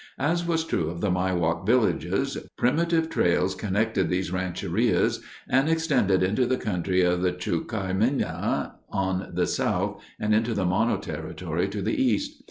As was true of the Miwok villages, primitive trails connected these rancherias and extended into the country of the Chukaimina on the south and into the Mono territory to the east.